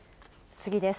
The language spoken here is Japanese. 次です。